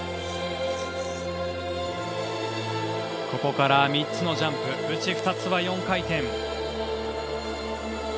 ここから３つジャンプそのうち２つは４回転。